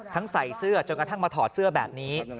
ใส่เสื้อจนกระทั่งมาถอดเสื้อแบบนี้